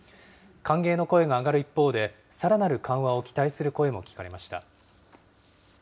歓迎の声が上がる一方で、さらなる緩和を期待する声も聞かれました。